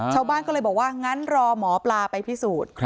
ชาวบ้านก็เลยบอกว่างั้นรอหมอปลาไปพิสูจน์